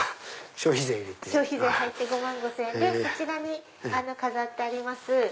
消費税入って５万５０００円でそちらに飾ってあります